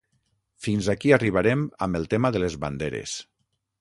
Fins aquí arribarem amb el tema de les banderes.